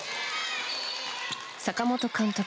坂本監督